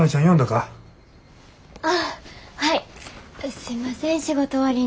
すいません仕事終わりに。